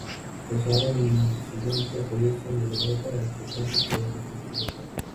La señal incidente aparece modulada en frecuencia por el efecto Doppler.